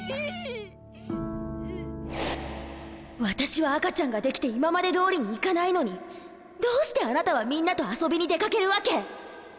私は赤ちゃんができて今までどおりにいかないのにどうしてあなたはみんなと遊びに出かけるわけ？